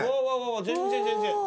全然全然。